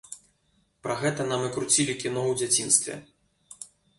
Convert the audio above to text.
Пра гэта нам і круцілі кіно ў дзяцінстве.